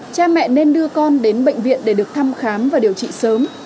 cha mẹ nên đưa con đến bệnh viện để được thăm khám và điều trị sớm